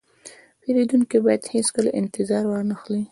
پیرودونکی باید هیڅکله انتظار وانهخلي.